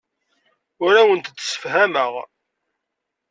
Ur awent-d-ssefhameɣ.